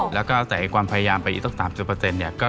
แล้วก็ใส่ความพยายามไปอีกสัก๓๐เปอร์เซ็นต์เนี่ย